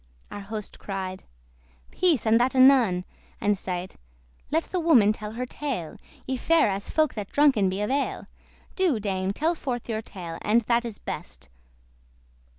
Our Hoste cried, "Peace, and that anon;" And saide, "Let the woman tell her tale. Ye fare* as folk that drunken be of ale. *behave Do, Dame, tell forth your tale, and that is best."